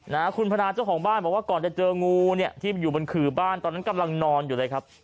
นะฮะคุณพนาเจ้าของบ้านบอกว่าก่อนจะเจองูเนี่ยที่อยู่บนขื่อบ้านตอนนั้นกำลังนอนอยู่เลยครับ